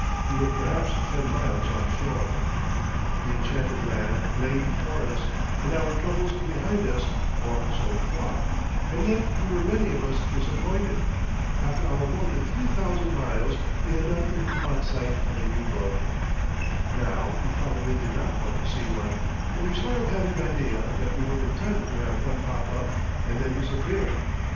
We were perhaps ten miles offshore. The enchanted land lay before us and our troubles behind us or so we thought and yet we were many of us disappointed. After our more than three thousand miles we had not even caught sight of a U boat. Now, we probably did not want to see one, but we sort of had an idea that we were entitled to have one pop up and then disappear.